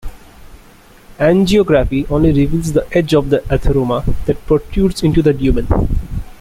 Angiography only reveals the edge of the atheroma that protrudes into the lumen.